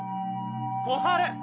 小春！